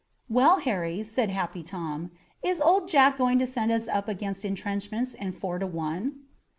"Well, Harry," said Happy Tom, "is Old Jack going to send us up against intrenchments and four to one?"